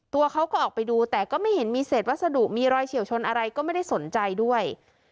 ตัวเขาก็ออกไปดูแต่ก็ไม่เห็นมีเศษวัสดุมีรอยเฉียวชนอะไรก็ไม่ได้สนใจด้วย